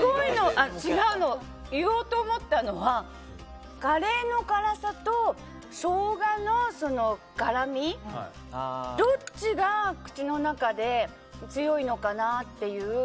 違うの、言おうと思ったのはカレーの辛さとショウガの辛みどっちが口の中で強いのかなっていう。